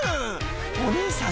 お兄さん